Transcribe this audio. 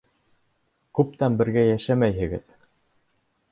Күптән бергә йәшәмәйһегеҙ...